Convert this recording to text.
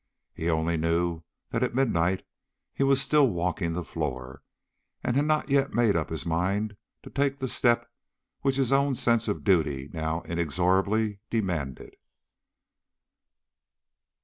He only knew that at midnight he was still walking the floor, and had not yet made up his mind to take the step which his own sense of duty now inexorably demanded.